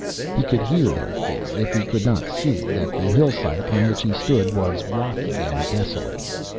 He could hear, therefore, if he could not see, that the hillside upon which he stood was rocky and desolate.